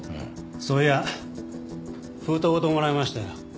そういや封筒ごともらいましたよ。